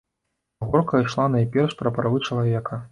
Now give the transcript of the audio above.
Гаворка ішла найперш пра правы чалавека.